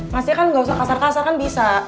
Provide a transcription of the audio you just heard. maksudnya kan nggak usah kasar kasar kan bisa